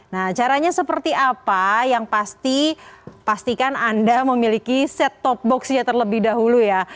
nah caranya seperti apa yang pasti pastikan anda memiliki set top boxnya terlebih dahulu ya